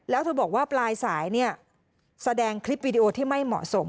แล้วเธอบอกว่าปลายสายเนี่ยแสดงคลิปวิดีโอที่ไม่เหมาะสม